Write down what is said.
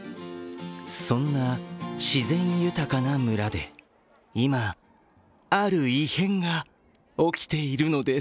そんな自然豊かな村で今、ある異変が起きているのです。